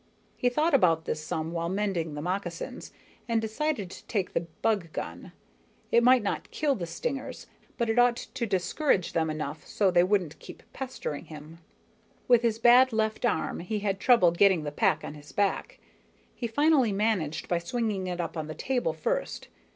He thought about this some while mending the moccasin, and decided to take the bug gun. It might not kill the stingers, but it ought to discourage them enough so they wouldn't keep pestering him. With his bad left arm, he had trouble getting the pack on his back. He finally managed by swinging it up on the table first.